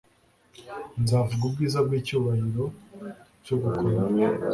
nzavuga ubwiza bw icyubahiro cyo gukomera